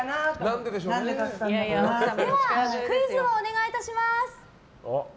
ではクイズをお願いいたします。